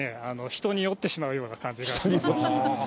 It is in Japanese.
人に酔ってしまうような感じがします。